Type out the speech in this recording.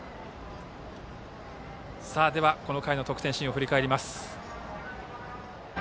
この回の得点シーンを振り返ります。